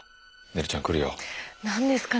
ねるちゃんくるよ。